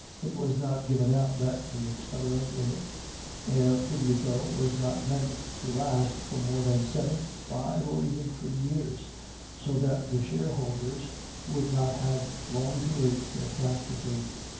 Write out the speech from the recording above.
It was not given out that the experiment in aere publico was not meant to last for more than seven, five, or even three years, so that shareholders would not have long to wait for the catastrophe.